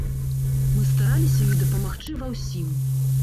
Мы стараліся ёй дапамагчы ва ўсім.